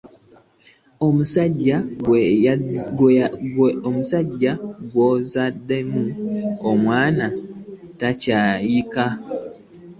Omusajja gw'ozaddemu omwana takyayika!